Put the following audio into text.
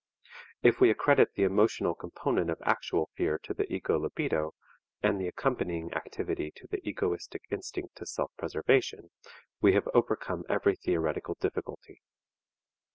If we accredit the emotional component of actual fear to the ego libido, and the accompanying activity to the egoistic instinct to self preservation, we have overcome every theoretical difficulty.